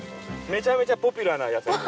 めちゃめちゃポピュラーな野菜で。